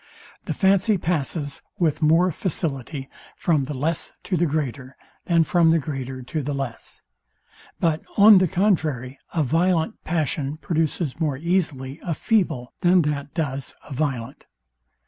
The fancy passes with more facility from the less to the greater, than from the greater to the less: But on the contrary a violent passion produces more easily a feeble, than that does a violent.